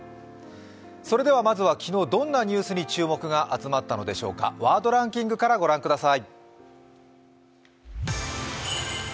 それではまずは昨日どんなニュースに注目が集まったのでしょうか「ワードランキング」から御覧ください。